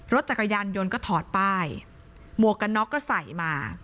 รถจักรยานยนต์ก็ถอดป้ายหมวกกันน็อกก็ใส่มา